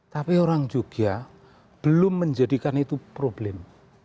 tapi orang jogja belum menjadikan itu problem